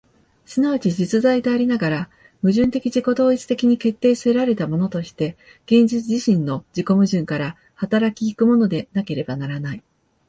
即ち実在でありながら、矛盾的自己同一的に決定せられたものとして、現実自身の自己矛盾から動き行くものでなければならない。